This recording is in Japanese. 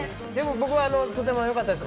僕はとてもよかったです。